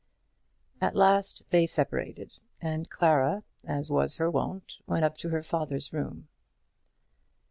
At last they separated, and Clara, as was her wont, went up to her father's room.